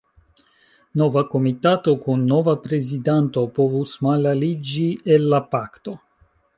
Nova komitato kun nova prezidanto povus malaliĝi el la Pakto.